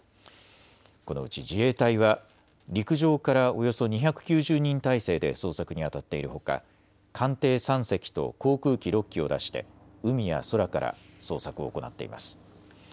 このうち自衛隊は陸上からおよそ２９０人態勢で捜索にあたっているほか、艦艇３隻と航空機６機を出して海や空から捜索を行っています。